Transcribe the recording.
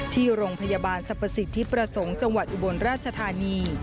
ที่โรงพยาบาลสรรพสิทธิประสงค์จังหวัดอุบลราชธานี